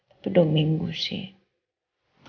itu dua minggu sih